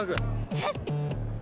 えっ？